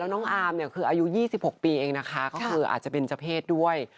แล้วน้องอาร์มคืออายุ๒๖ปีเองนะคะเขาอาจจะเป็นเจ้าเพศด้วย